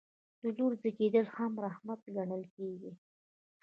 د لور زیږیدل هم رحمت ګڼل کیږي.